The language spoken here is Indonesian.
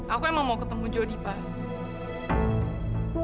aku emang mau ketemu jody pak